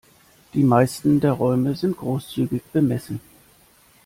Die meisten der Räume sind großzügig bemessen.